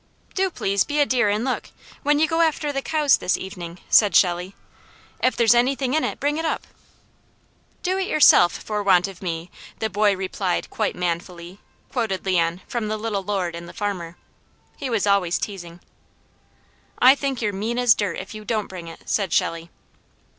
"Do please be a dear and look, when you go after the cows this evening," said Shelley. "If there's anything in it, bring it up." "Do it yourself for want of me, The boy replied quite manfully," quoted Leon from "The Little Lord and the Farmer." He was always teasing. "I think you're mean as dirt if you don t bring it," said Shelley.